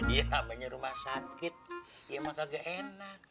ya namanya rumah sakit ya emang agak enak